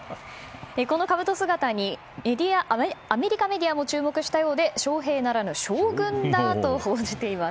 このかぶと姿にアメリカメディアも注目したようで翔平ならぬ将軍だと報じています。